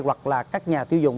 hoặc là các nhà tiêu dùng